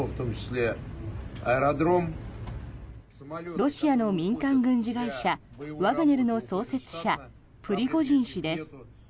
ロシアの民間軍事会社ワグネルの創設者プリゴジン氏です。